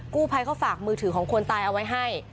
กู้ภัยเขาฝากมือถือของคนตายเอาไว้ให้